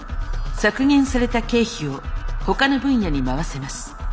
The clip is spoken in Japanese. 削減された経費をほかの分野に回せます。